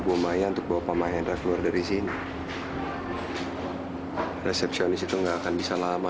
lumayan untuk bawa pak mahendra keluar dari sini resepsionis itu nggak akan bisa lama